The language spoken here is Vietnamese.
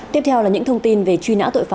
tiếp theo là những thông tin về truy nã tội phạm